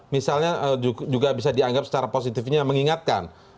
misalnya juga bisa dianggap secara positifnya mengingatkan